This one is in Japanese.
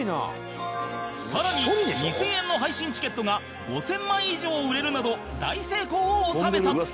更に２０００円の配信チケットが５０００枚以上売れるなど大成功を収めた